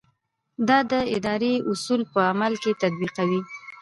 دا د ادارې اصول په عمل کې تطبیقوي.